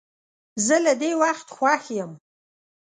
زه له دې وخت خوښ یم.